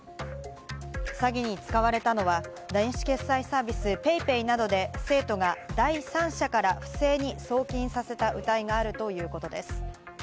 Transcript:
詐欺に使われたのは、電子決済サービスＰａｙＰａｙなどで生徒が第三者から不正に送金させた疑いがあるということです。